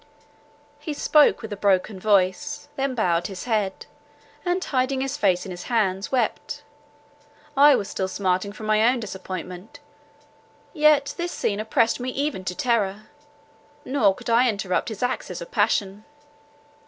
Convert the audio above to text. He spoke with a broken voice, then bowed his head, and, hiding his face in his hands, wept. I was still smarting from my own disappointment; yet this scene oppressed me even to terror, nor could I interrupt his access of passion.